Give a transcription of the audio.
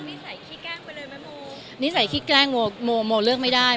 จะเลือกนิสัยคิดแกล้งไปเลยมั้ยโมนิสัยคิดแกล้งโมโมโมเลือกไม่ได้